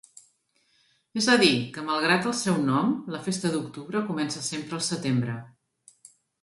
És a dir, que malgrat el seu nom, la festa d'octubre comença sempre al setembre.